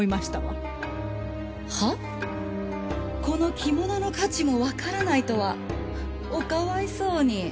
この着物の価値もわからないとはおかわいそうに。